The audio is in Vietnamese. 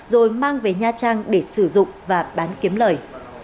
rồi mang về nha trang để sử dụng và bán kiếm lời